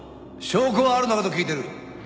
証拠はあるのかと聞いてる。